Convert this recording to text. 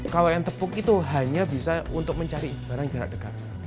kalau yang tepuk itu hanya bisa untuk mencari barang jarak dekat